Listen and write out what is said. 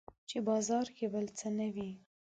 چې بازار کې بل څه نه وي